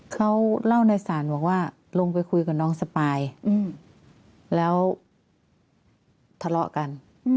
เขาเล่าในศาลบอกว่าลงไปคุยกับน้องสปายแล้วทะเลาะกัน